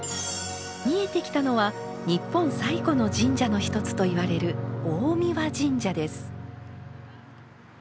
見えてきたのは日本最古の神社の一つといわれる大神神社です。